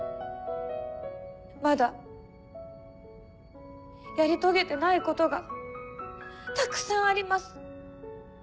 まだやり遂げてないことがたくさんあります。